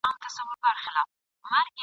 د انسان د ژوند د چارو یو حکمت دی ..